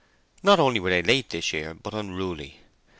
Not only were they late this year, but unruly.